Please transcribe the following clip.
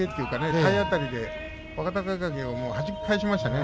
体当たりで若隆景をはじき返しましたから